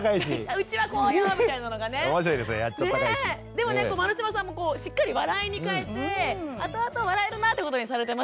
でもね丸島さんもしっかり笑いに変えてあとあと笑えるなってことにされてますよね。